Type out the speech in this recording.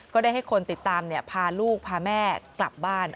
ก็ได้ให้คนติดตามพาลูกพาแม่กลับบ้าน